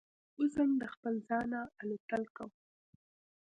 وزم د خپل ځانه الوتل کوم